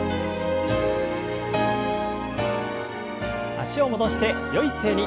脚を戻してよい姿勢に。